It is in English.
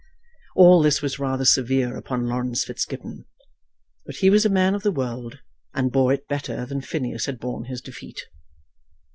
All this was rather severe upon Laurence Fitzgibbon; but he was a man of the world, and bore it better than Phineas had borne his defeat.